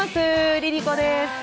ＬｉＬｉＣｏです。